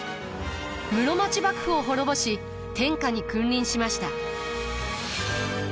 室町幕府を滅ぼし天下に君臨しました。